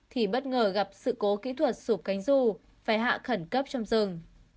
thì bất ngờ gặp sự cố kỹ thuật sụp cánh dù phải hạ khẩn cấp trong rừng